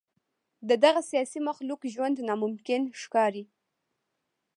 د دغه سیاسي مخلوق ژوند ناممکن ښکاري.